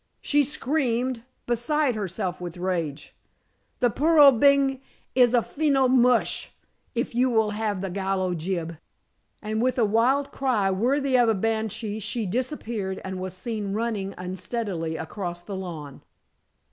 she screamed, beside herself with rage. "The puro beng is a fino mush, if you will have the kalo jib!" and with a wild cry worthy of a banshee she disappeared and was seen running unsteadily across the lawn.